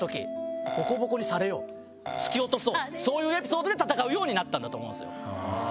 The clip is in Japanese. そういうエピソードで戦うようになったんだと思うんですよ。